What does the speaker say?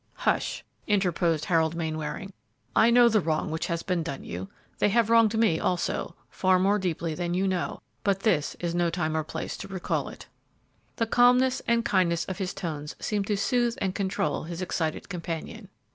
"Hush!" interposed Harold Mainwaring; "I know the wrong which has been done you, they have wronged me, also, far more deeply than you know, but this is no time or place to recall it!" The calmness and kindness of his tones seemed to soothe and control his excited companion.